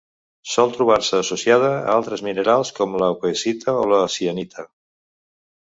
Sol trobar-se associada a altres minerals com la coesita o la cianita.